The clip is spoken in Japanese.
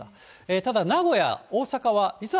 ただ、名古屋、大阪は、実は。